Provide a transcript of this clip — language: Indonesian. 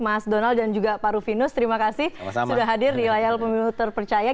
mas donald dan juga pak rufinus terima kasih sudah hadir di layar pemilu terpercaya